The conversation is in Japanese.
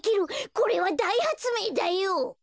これはだいはつめいだよ！